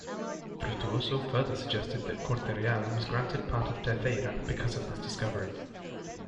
Frutuoso further suggested that Corte-Real was granted part of Terceira because of this discovery.